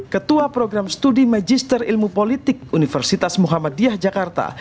ketua program studi magister ilmu politik universitas muhammadiyah jakarta